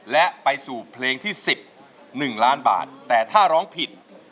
และไปสู่เพลงที่๑๑ล้านบาทแต่ถ้าร้องผิด